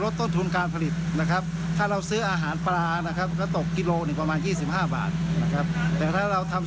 สำหรับสูตรอาหารเลี้ยงสัตว์